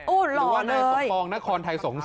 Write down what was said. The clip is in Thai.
อู้วหล่อเลย